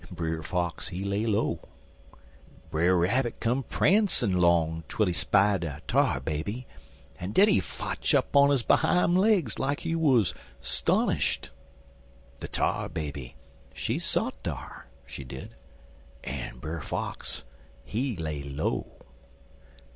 Brer Fox, he lay low. Brer Rabbit come prancin' 'long twel he spy de Tar Baby, en den he fotch up on his behime legs like he wuz 'stonished. De Tar Baby, she sot dar, she did, en Brer Fox, he lay low.